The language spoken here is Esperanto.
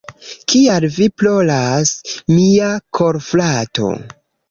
Kial vi ploras, mia korfrato?